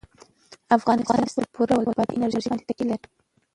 افغانستان په پوره ډول په بادي انرژي باندې تکیه لري.